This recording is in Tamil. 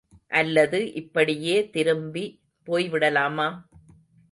அல்லது இப்படியே திரும்பி போய்விடலாமா?